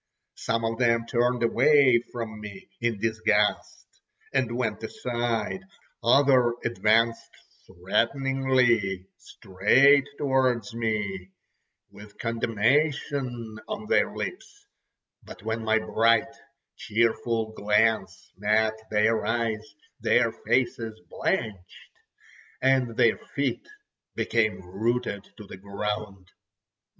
Some of them turned away from me in disgust, and went aside; others advanced threateningly straight towards me, with condemnation on their lips, but when my bright, cheerful glance met their eyes, their faces blanched, and their feet became rooted to the ground.